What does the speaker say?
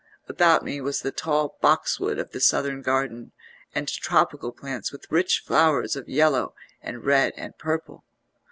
About me was the tall box wood of the southern garden, and tropical plants with rich flowers of yellow and red and purple.